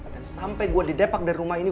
dan sampai gue didepak dari rumah ini